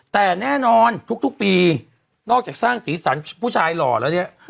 แต่แน่นอนทุกปีนอกจากสร้างสีสันผู้ชายหล่อแล้วเนี่ย